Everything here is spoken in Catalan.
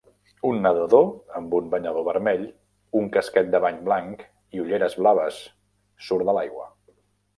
Un nedador amb un banyador vermell, un casquet de bany blanc i ulleres blaves surt de l'aigua.